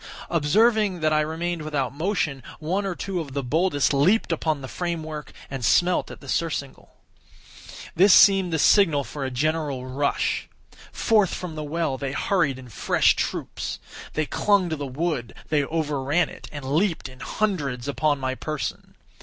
Observing that I remained without motion, one or two of the boldest leaped upon the frame work, and smelt at the surcingle. This seemed the signal for a general rush. Forth from the well they hurried in fresh troops. They clung to the wood—they overran it, and leaped in hundreds upon my person.